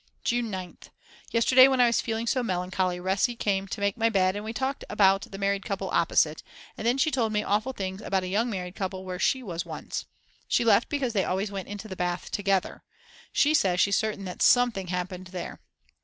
June 9th. Yesterday, when I was feeling so melancholy, Resi came to make my bed, and we talked about the married couple opposite, and then she told me awful things about a young married couple where she was once. She left because they always went into the bath together; she says she's certain that something happened there.